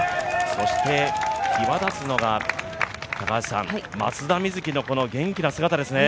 そして際立つのが、松田瑞生の元気な姿ですね。